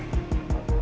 aku mau pergi